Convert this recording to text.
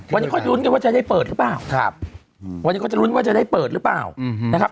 วันนี้ก็จะรุ้นว่าจะได้เปิดหรือเปล่าวันนี้ก็จะรุ้นว่าจะได้เปิดหรือเปล่านะครับ